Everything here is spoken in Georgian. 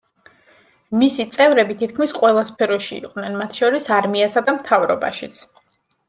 მისი წევრები თითქმის ყველა სფეროში იყვნენ, მათ შორის არმიასა და მთავრობაშიც.